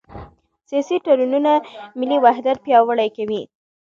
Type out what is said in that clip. سیاسي تړونونه ملي وحدت پیاوړی کوي